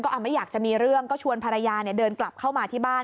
ไม่อยากจะมีเรื่องก็ชวนภรรยาเดินกลับเข้ามาที่บ้าน